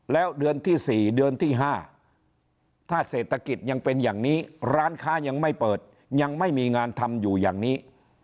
แล้วเดือนที่๔เดือนที่๕ถ้าเศรษฐกิจยังเป็นอย่างนี้ร้านค้ายังไม่เปิดยังไม่มีงานทำอยู่อย่างนี้